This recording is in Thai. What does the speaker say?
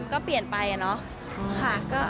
ก็เปลี่ยนไปค่ะ